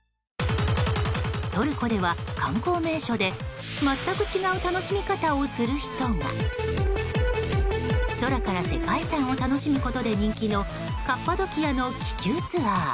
トルコでは、観光名所で全く違う楽しみ方をする人が。空から世界遺産を楽しむことで人気のカッパドキアの気球ツアー。